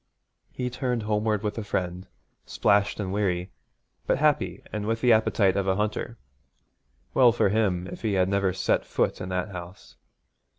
He turned homeward with a friend, splashed and weary, but happy and with the appetite of a hunter. Well for him if he had never set foot in that house.